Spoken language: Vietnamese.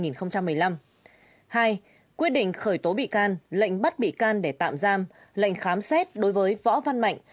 đồng thời ra các quyết định ba quyết định khởi tố bị can lệnh bắt bị can để tạm giam lệnh khám xét đối với võ văn mạnh